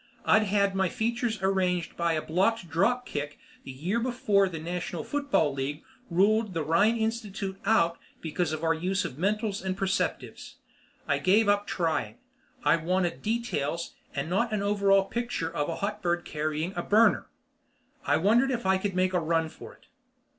I'd had my features arranged by a blocked drop kick the year before the National Football League ruled the Rhine Institute out because of our use of mentals and perceptives. I gave up trying I wanted details and not an overall picture of a hotbird carrying a burner. I wondered if I could make a run for it.